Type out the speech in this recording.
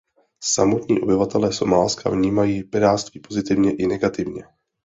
Samotní obyvatelé Somálska vnímají pirátství pozitivně i negativně.